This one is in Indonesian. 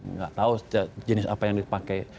nggak tahu jenis apa yang dipakai